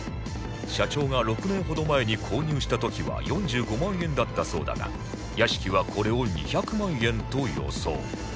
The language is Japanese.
社長が６年ほど前に購入した時は４５万円だったそうだが屋敷はこれを２００万円と予想